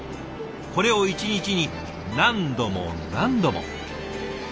これを一日に何度も何度も。